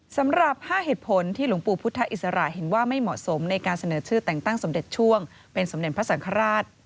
สำหรับ๕เหตุผลที่หลวงปู่พุทธอิสระเห็นว่าไม่เหมาะสมในการเสนอชื่อแต่งตั้งสมเด็จช่วงเป็นสมเด็จพระสังฆราช